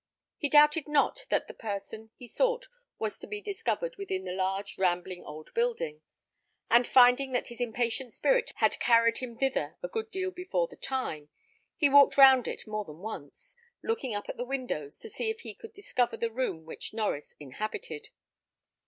He doubted not that the person he sought was to be discovered within the large, rambling old building: and finding that his impatient spirit had carried him thither a good deal before the time, he walked round it more than once, looking up to the windows, to see if he could discover the room which Norries inhabited.